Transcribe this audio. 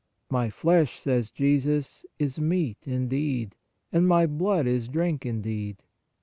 " My flesh," says Jesus, " is meat indeed ; and my blood is drink indeed."